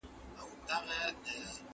آیا په نکاح کي ظلم روا دی؟